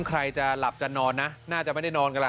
ใครจะหลับจะนอนนะน่าจะไม่ได้นอนกันล่ะ